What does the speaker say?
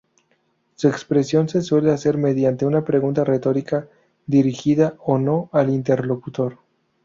Su expresión se suele hacer mediante una pregunta retórica, dirigida o no al interlocutor.